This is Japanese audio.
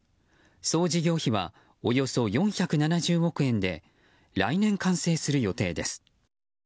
総事業費はおよそ４７０億円で来年完成する予定です。